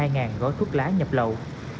ngàn gói thuốc lá nhập lậu